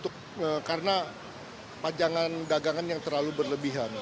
karena pajangan dagangan yang terlalu berlebihan